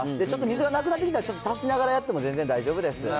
ちょっと水がなくなってきたら、ちょっと足しながらやっても全然大丈夫です。